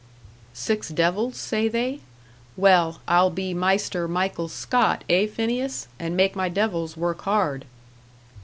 "Six devils, say they? Well, I'll be Maister Michael Scot eh, Phineas? and make my devils work hard."